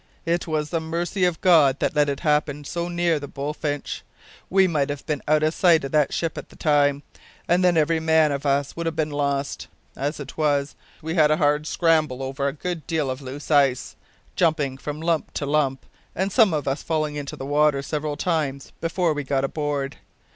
"It was the mercy of God that let it happen so near the Bullfinch. We might have been out o' sight o' that ship at the time, and then every man of us would have bin lost. As it was, we had a hard scramble over a good deal of loose ice, jumpin' from lump to lump, and some of us fallin' into the water several times, before we got aboard.